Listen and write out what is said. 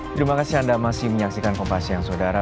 terima kasih anda masih menyaksikan kompas siang saudara